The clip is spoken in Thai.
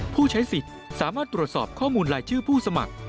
ผู้ใช้สิทธิ์สามารถตรวจสอบข้อมูลลายชื่อผู้สมัคร